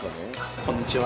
こんにちは。